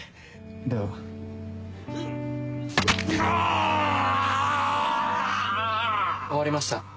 あ‼終わりました。